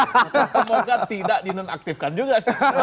semoga tidak di nonaktifkan juga